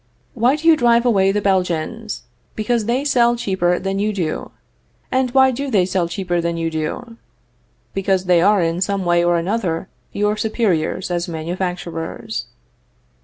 Why do you drive away the Belgians? Because they sell cheaper than you do. And why do they sell cheaper than you do? Because they are in some way or another your superiors as manufacturers.